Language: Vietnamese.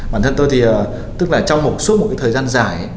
bản thân tôi thì trong suốt một thời gian dài